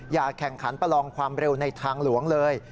แข่งขันประลองความเร็วในทางหลวงเลย